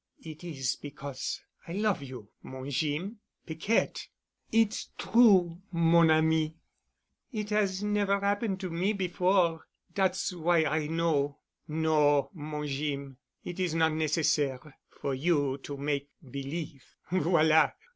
It is because I love you, mon Jeem." "Piquette!" "It's true, mon ami. It 'as never 'appen to me before. Dat's why I know.... No, mon Jeem. It is not necessaire for you to make believe.